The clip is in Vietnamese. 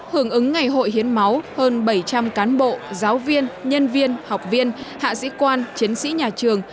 hưởng ứng ngày hội hiến máu hơn bảy trăm linh cán bộ giáo viên nhân viên học viên hạ sĩ quan chiến sĩ nhà trường